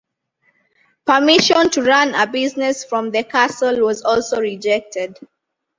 Permission to run a business from the Castle was also rejected.